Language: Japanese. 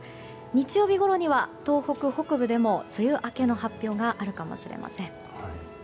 日曜日ごろには東北北部でも梅雨明けの発表があるかもしれません。